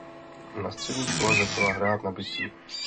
Na střední škole začala hrát na bicí.